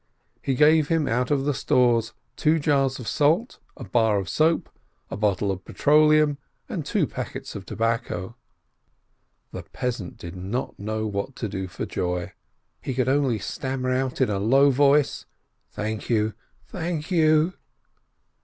He gave him out of the stores two jars of salt, a bar of soap, a bottle of petroleum, and two packets of tobacco. The peasant did not know what to do for joy. He could only stammer in a low voice, "Thank you ! thank you